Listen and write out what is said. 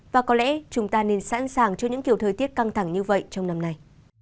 và có lẽ chúng ta nên sẵn sàng cho những kiểu thời tiết căng thẳng như vậy trong năm nay